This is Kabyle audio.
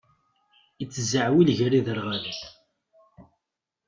Ittzaɛwil gar iderɣalen.